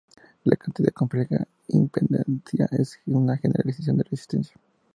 La cantidad compleja impedancia es una generalización de resistencia.